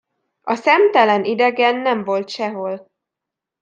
A szemtelen idegen nem volt sehol.